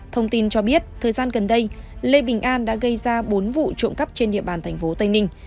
thông tin cho biết thời gian gần đây lê bình an đã gây ra bốn vụ trộm cắp trên địa bàn tp tây ninh